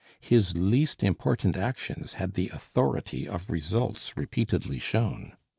His least important actions had the authority of results repeatedly shown.